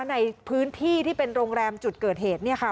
ในพื้นที่ที่เป็นโรงแรมจุดเกิดเหตุเนี่ยค่ะ